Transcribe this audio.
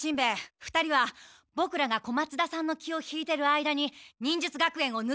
２人はボクらが小松田さんの気を引いてる間に忍術学園をぬけ出すんだ。